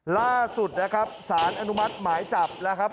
ล่าสุดนะครับสารอนุมัติหมายจับแล้วครับ